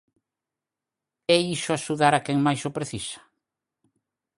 ¿É iso axudar a quen máis o precisa?